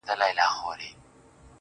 ځوان دعا کوي.